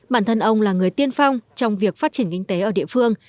bản thân ông là người tiên phong trong việc phát triển kinh tế ở địa phương